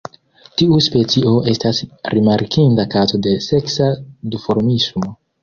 Tiu specio estas rimarkinda kazo de seksa duformismo.